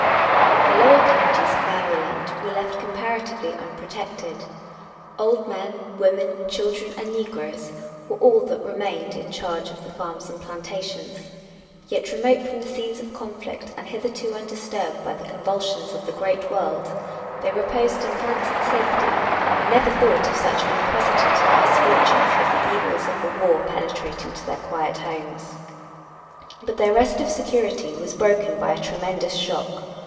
The lower counties of Maryland were left comparatively unprotected. Old men, women, children and negroes were all that remained in charge of the farms and plantations. Yet remote from the scenes of conflict and hitherto undisturbed by the convulsions of the great world, they reposed in fancied safety and never thought of such unprecedented misfortunes as the evils of the war penetrating to their quiet homes. But their rest of security was broken by a tremendous shock.